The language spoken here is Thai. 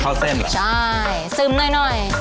ช่ายซึมหน่อย